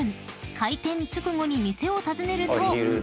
開店直後に店を訪ねると］